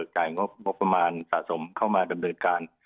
จะเบิกจ่ายงบประมาณสะสมเข้ามาบันเริ่มการ